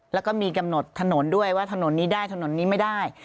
แล้วก็มีกำหนดถนนด้วยว่าถนนนี้ได้ถนนนี้ไม่ได้